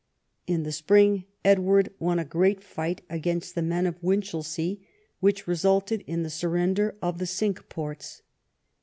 In the spring Edward won a great fight against the men of Winchelsea, which resulted in the surrender of the Cinque Ports.